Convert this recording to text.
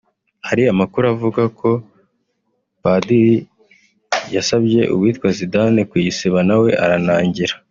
Hari n’amakuru avuga ko Padiri yasabye uwitwa Zidane kuyisiba na we aranangira